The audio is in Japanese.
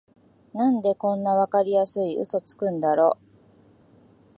なんでこんなわかりやすいウソつくんだろ